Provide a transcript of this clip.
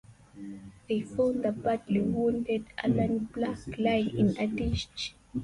They found the badly-wounded Alan Black lying in a ditch.